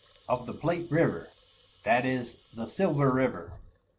Of the Plate River, _that is, the _Silver River.